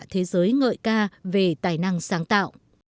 thế giới ngợi ca về tài năng sáng tạo